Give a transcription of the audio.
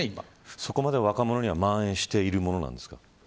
そこまで若者に蔓延しているものなんですか。